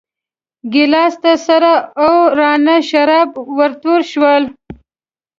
ګیلاس ته سره او راڼه شراب ورتوی شول.